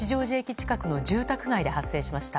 近くの住宅街で発生しました。